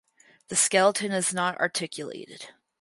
The skeleton is not articulated.